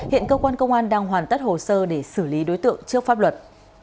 hiện cơ quan công an đang hoàn tất hồ sơ để xử lý đối tượng trước pháp luật